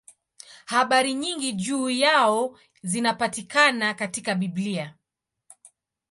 Habari nyingi juu yao zinapatikana katika Biblia.